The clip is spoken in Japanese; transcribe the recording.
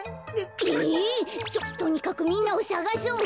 えっ！？ととにかくみんなをさがそう。